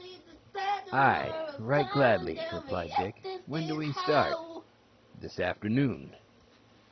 "Ay, right gladly," replied Dick. "When do we start?" "This afternoon."